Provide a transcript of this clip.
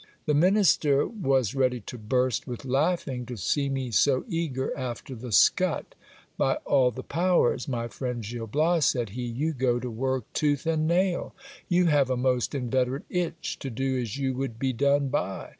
The minister was ready to burst with laughing, to see me so eager after the scut. By all the powers ! my friend Gil Bias, said he, you go to work tooth and nail ! Yoti have a most inveterate itch to do as you would be done by.